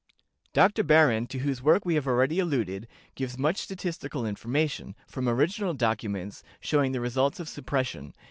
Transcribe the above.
Dr. Behrend, to whose work we have already alluded, gives much statistical information, from original documents, showing the results of suppression.